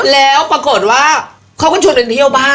แล้วปรากฏว่าเขาก็ชวนกันเที่ยวบ้าน